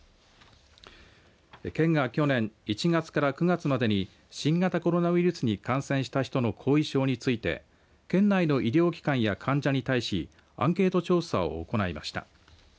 県が去年１月から９月までに新型コロナウイルスに感染した人の後遺症について県内の医療機関や患者に対しアンケート調査を行いました。